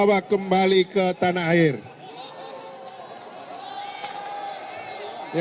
pada provinsi indonesia